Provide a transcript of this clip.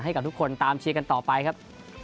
ให้กับทุกคนตามเชียร์กันต่อไปครับ